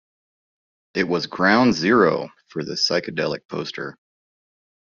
It was "ground zero" for the psychedelic poster.